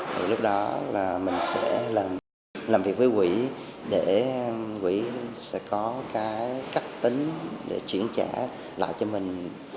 thì lúc đó là mình sẽ làm việc với quỹ để quỹ sẽ có cái cách tính để chuyển trả lại cho mình